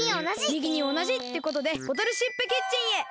みぎにおなじ！ってことでボトルシップキッチンへ。